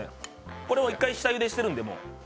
これは１回、下ゆでしているんで。